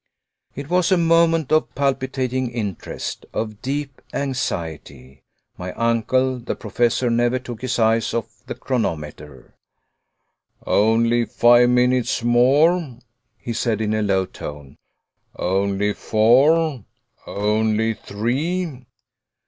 It was a moment of palpitating interest, of deep anxiety. My uncle, the Professor, never took his eyes off the chronometer. "Only five minutes more," he said in a low tone, "only four, only three."